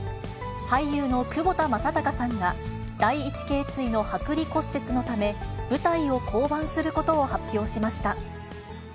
俳優の窪田正孝さんが、第一頸椎の剥離骨折のため、舞台を降板することを発表しました。